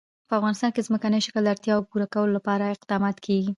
په افغانستان کې د ځمکنی شکل د اړتیاوو پوره کولو لپاره اقدامات کېږي.